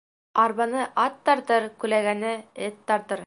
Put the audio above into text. Арбаны ат тартыр, күләгәне эт тартыр.